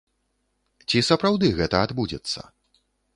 Ці сапраўды гэта адбудзецца?